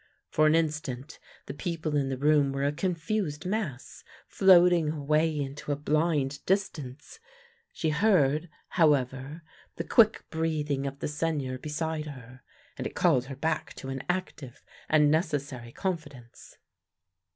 For an instant the people in the room were a confused mass, floating away into a blind distance. She heard, how ever, the quick breathing of the Seigneur beside her, and it called her back to an active and necessary con fidence.